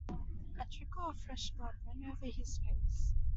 A trickle of fresh blood ran over his face.